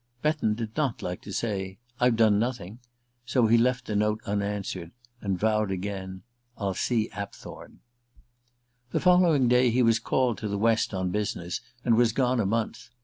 Betton did not like to say "I've done nothing," so he left the note unanswered, and vowed again: "I'll see Apthorn." The following day he was called to the West on business, and was gone a month.